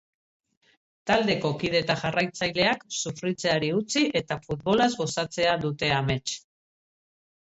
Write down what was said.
Taldeko kide eta jarraitzaileak sufritzeari utzi eta futbolaz gozatzea dute amets.